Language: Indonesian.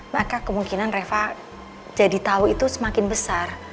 maka kemungkinan reva jadi tahu itu semakin besar